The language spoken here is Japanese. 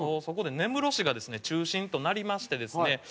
そこで根室市がですね中心となりましてですね